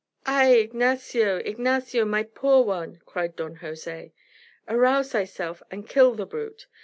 "Ay, Ignacio, Ignacio, my poor one!" cried Don Jose. "Arouse thyself and kill the brute.